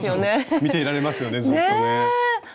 見ていられますよねずっとね。